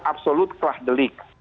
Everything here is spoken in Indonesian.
absolut kelah delik